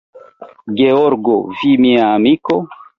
Georgo, vi, mia amiko?